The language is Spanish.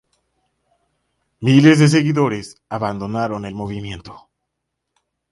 Miles de seguidores abandonaron el movimiento.